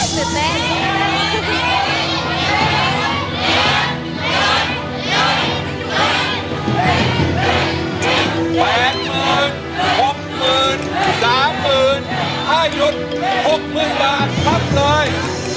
แปดหมื่นหกหมื่นสามหมื่นห้าหยุดหกหมื่นบาทครับเลย